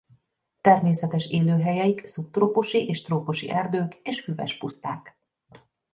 Természetes élőhelyeik szubtrópusi és trópusi erdők és füves puszták.